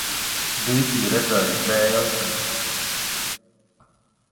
Dīķī redzēju dēli taču.